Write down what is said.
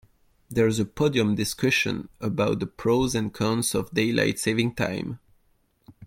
There's a podium discussion about the pros and cons of daylight saving time.